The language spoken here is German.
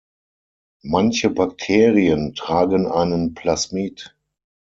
Manche Bakterien tragen einen Plasmid.